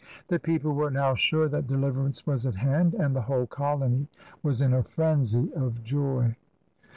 The people were now sure that deliverance was at hand, and the whole colony was in a frenzy of joy.